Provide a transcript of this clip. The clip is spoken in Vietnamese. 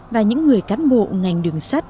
và những người cán bộ ngành đường sắt